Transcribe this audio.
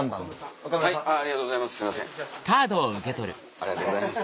ありがとうございます。